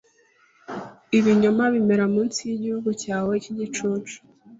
ibinyoma bimera munsi yigihugu cyawe cyigicucu